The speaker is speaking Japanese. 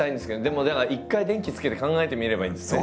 でもだから一回電気つけて考えてみればいいんですね。